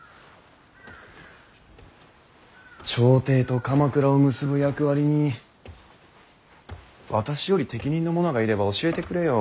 朝廷と鎌倉を結ぶ役割に私より適任の者がいれば教えてくれよ。